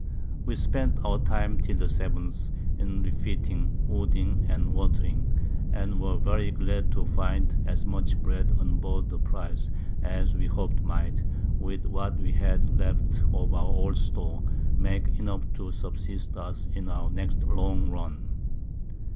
We spent our Time till the 7th, in refitting, wooding, and watering; and were very glad to find as much Bread on board the Prize as we hop'd might, with what we had left of our old Store, make enough to subsist us in our next long Run.